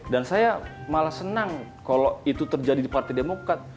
dan saya malah senang kalau itu terjadi di partai demokrat